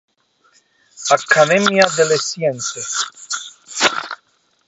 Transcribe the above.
Accademia delle Scienze.